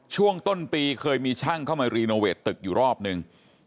ช่วงต้นปีเคยมีช่างเข้ามารีโนเวทตึกอยู่รอบนึง